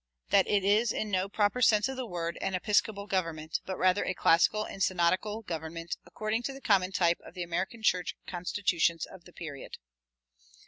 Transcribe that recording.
That it is in no proper sense of the word an episcopal government, but rather a classical and synodical government, according to the common type of the American church constitutions of the period.